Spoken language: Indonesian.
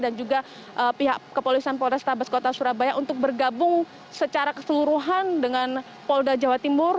dan juga pihak kepolisan polres tabas kota surabaya untuk bergabung secara keseluruhan dengan polda jawa timur